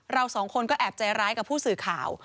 เราสองคนก็แอบใจร้ายกับผู้สื่อข่าว